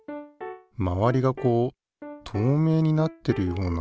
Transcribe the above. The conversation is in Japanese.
まわりがこう透明になってるような。